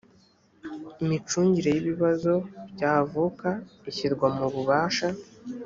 micungire y ibibazo byavuka ishyirwa mu bubasha